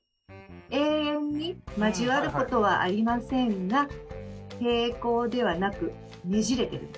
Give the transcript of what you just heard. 永遠に交わることはありませんが平行ではなくねじれてる。